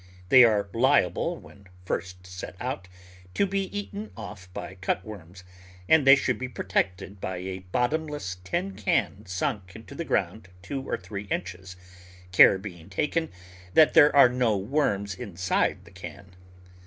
They are liable when first set out to be eaten off by cutworms, and they should be protected by a bottomless tin can sunk into the ground two or three inches, care being taken that there are no worms inside the can.